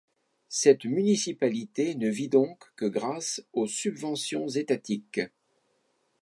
Cette municipalité ne vie donc que grâce aux subventions étatiques.